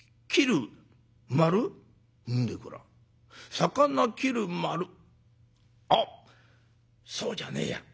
『魚』『切』『丸』あっそうじゃねえや。